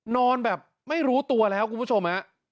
นอนแบบไม่รู้ตัวแล้วคุณผู้ชมฮะ